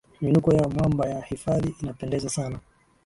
miinuko ya mwamba ya hifadhi inapendeza sana